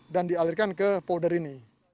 dan dialirkan ke powder ini